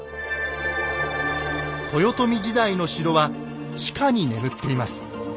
豊臣時代の城は地下に眠っています。